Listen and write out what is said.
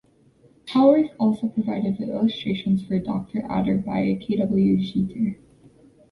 Howarth also provided the illustrations for "Doctor Adder" by K. W. Jeter.